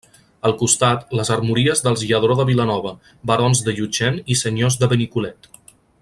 Al costat, les armories dels Lladró de Vilanova, barons de Llutxent i senyors de Benicolet.